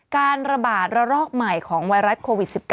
การระบาดระลอกใหม่ของไวรัสโควิด๑๙